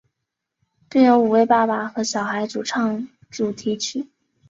并由五位爸爸和小孩主唱主题曲。